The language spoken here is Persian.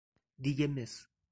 دیگ مس